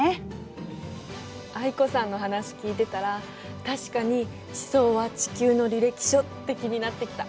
藍子さんの話聞いてたら確かに地層は地球の履歴書って気になってきた。